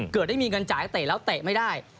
เกิดได้มีเงินจ่ายเตะแล้วเตะไม่ได้